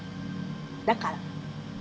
だから。